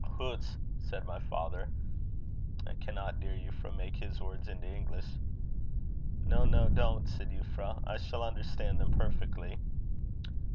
'Hoots!' said my father I cannot, dear Euphra, make his words into English." "No, no, don't," said Euphra; "I shall understand them perfectly."